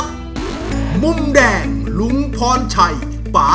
โชคชะตาโชคชะตา